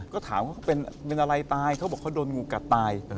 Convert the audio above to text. ก็ถามว่าเขาเป็นอะไรตายเขาบอกเขาโดนงูกัดตาย